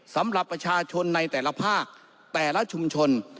สำหรับประชาชนในแต่ละภาคแต่ละชุมชน